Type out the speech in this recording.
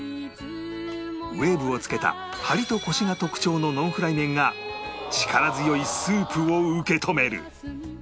ウェーブをつけたハリとコシが特徴のノンフライ麺が力強いスープを受け止める